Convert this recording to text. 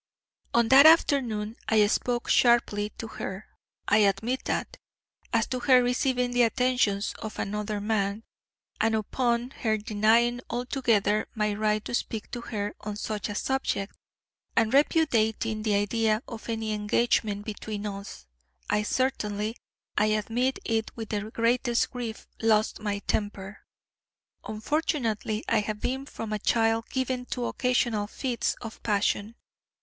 "On that afternoon I spoke sharply to her I admit that as to her receiving the attentions of another man; and upon her denying altogether my right to speak to her on such a subject, and repudiating the idea of any engagement between us, I certainly, I admit it with the greatest grief, lost my temper. Unfortunately I have been from a child given to occasional fits of passion.